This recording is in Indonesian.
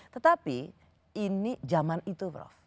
tetapi ini zaman itu prof